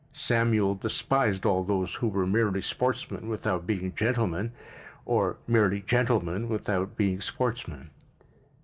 Samuel despised all those who were merely sportsmen without being gentlemen or merely gentlemen without being sportsmen.